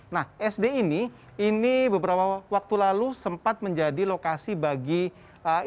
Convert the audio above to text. nah sd ini ini beberapa waktu lalu sempat menjadi lokasi bagi ibu